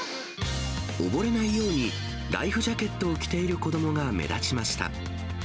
溺れないように、ライフジャケットを着ている子どもが目立ちました。